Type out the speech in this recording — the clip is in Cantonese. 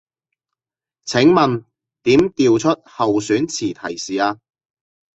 請問點調出候選詞提示啊